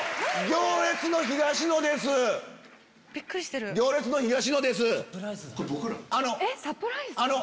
『行列』の東野です。